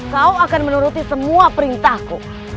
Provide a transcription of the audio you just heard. kau akan menuruti semua perintahku